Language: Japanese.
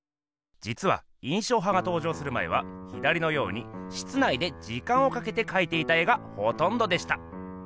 じつは印象派が登場する前は左のように室内で時間をかけてかいていた絵がほとんどでした。